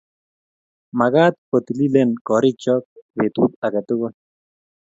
Magaat kotililen korikchook betut age tugul